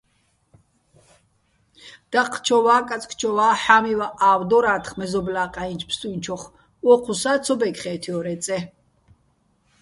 დაჴჴჩოვა́ კაწკჩოვა́, ჰ̦ა́მივაჸ ა́ვ დორა́თხ მეზობლა́ ჸაჲნჩო̆ ბსტუჲნჩოხ, ო́ჴუსა́ ცო ბეკხე́თჲორ ე წე.